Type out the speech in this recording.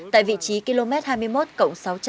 tại vị trí km hai mươi một cộng sáu